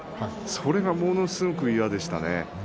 それがものすごく嫌でしたね。